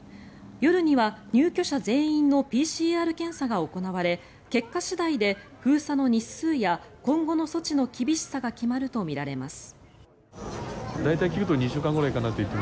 夜には入居者全員のＰＣＲ検査が行われ結果次第で、封鎖の日数や今後の措置の厳しさが決まるとみられます。